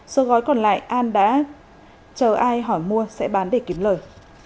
số gói còn lại an đã chờ ai hỏi mua sẽ bán để kiếm lời